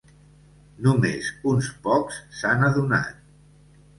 Només uns pocs s'han adonat.